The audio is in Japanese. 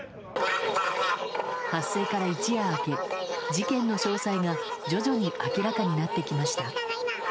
発生から一夜明け、事件の詳細が徐々に明らかになってきました。